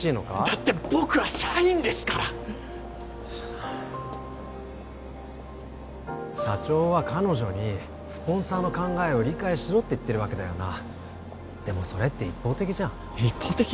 だって僕は社員ですから！社長は彼女にスポンサーの考えを理解しろって言ってるわけだよなでもそれって一方的じゃん一方的？